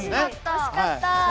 惜しかった。